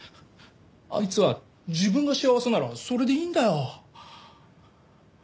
あいつは自分が幸せならそれでいいんだよ。